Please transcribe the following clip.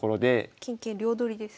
金桂両取りですね。